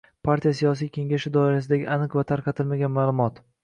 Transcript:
partiya siyosiy kengashi doirasidagi aniq va tarqatilmagan ma’lumot.